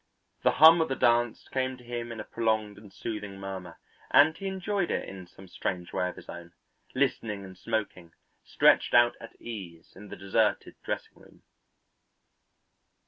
The hum of the dance came to him in a prolonged and soothing murmur and he enjoyed it in some strange way of his own, listening and smoking, stretched out at ease in the deserted dressing room.